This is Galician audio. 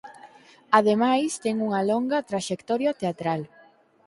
Ademais ten unha longa traxectoria teatral.